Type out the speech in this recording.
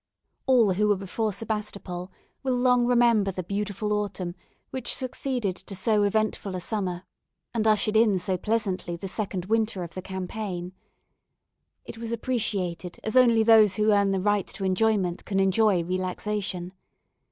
All who were before Sebastopol will long remember the beautiful autumn which succeeded to so eventful a summer, and ushered in so pleasantly the second winter of the campaign. It was appreciated as only those who earn the right to enjoyment can enjoy relaxation.